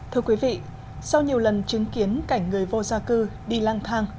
thưa quý vị sau nhiều lần chứng kiến cảnh người vô gia cư đi lang thang